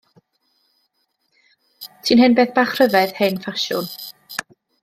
Ti'n hen beth bach rhyfedd hen ffasiwn.